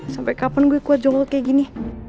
sampai kapan gue kuat jonggol kayak gini